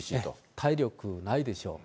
体力ないでしょう。